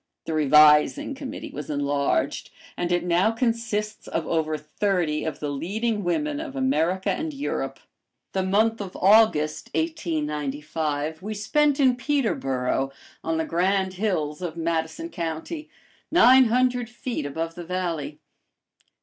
The Revising Committee was enlarged, and it now consists of over thirty of the leading women of America and Europe.[A] The month of August, 1895, we spent in Peterboro, on the grand hills of Madison County, nine hundred feet above the valley.